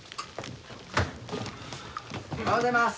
おはようございます。